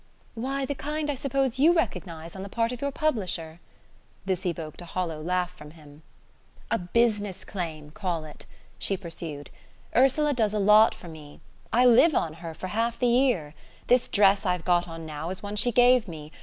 "Why the kind I suppose you recognize on the part of your publisher." This evoked a hollow laugh from him. "A business claim, call it," she pursued. "Ursula does a lot for me: I live on her for half the year. This dress I've got on now is one she gave me.